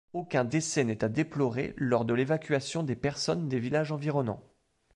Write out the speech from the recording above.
Aucun décès n'est à déplorer lors de l'évacuation des personnes des villages environnants.